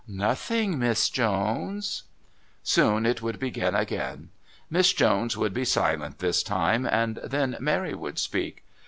"Nothing, Miss Jones." Soon it would begin again. Miss Jones would be silent this time, and then Mary would speak.